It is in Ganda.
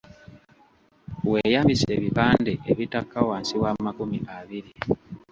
Weeyambise ebipande ebitaka wansi wa makumi abiri.